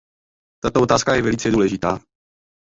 Tato otázka je velice důležitá.